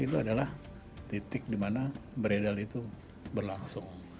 itu adalah titik di mana beredar itu berlangsung